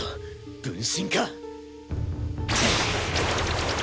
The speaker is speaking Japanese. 分身か！